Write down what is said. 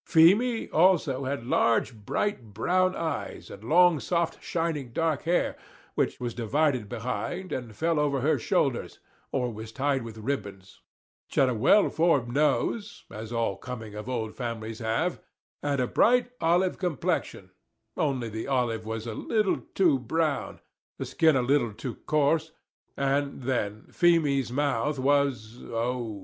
Feemy, also, had large, bright brown eyes, and long, soft, shining dark hair, which was divided behind, and fell over her shoulders, or was tied with ribands; and she had a well formed nose, as all coming of old families have; and a bright olive complexion, only the olive was a little too brown, the skin a little too coarse; and then Feemy's mouth was, oh!